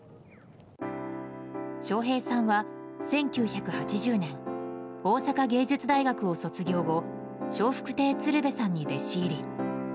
笑瓶さんは１９８０年大阪芸術大学を卒業後笑福亭鶴瓶さんに弟子入り。